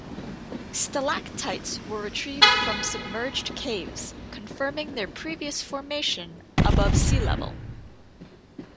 Stalactites were retrieved from submerged caves, confirming their previous formation above sea level.